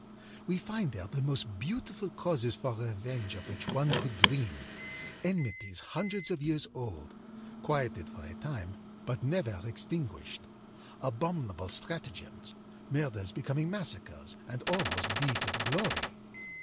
We find there the most beautiful causes for revenge of which one could dream, enmities hundreds of years old, quieted for a time but never extinguished; abominable stratagems, murders becoming massacres and almost deeds of glory.